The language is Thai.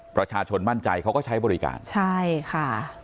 ประชาชนมั่นใจเขาก็ใช้บริการใช่ค่ะ